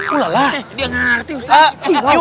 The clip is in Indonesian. ula lah dia gak ngerti ustaz